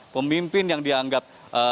pemimpin yang dianggap